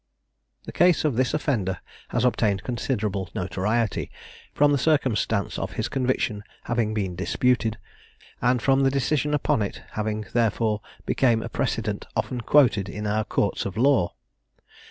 The case of this offender has obtained considerable notoriety, from the circumstance of his conviction having been disputed, and from the decision upon it having therefore became a precedent often quoted in our courts of law.